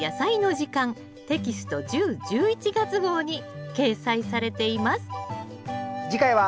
テキスト１０・１１月号に掲載されています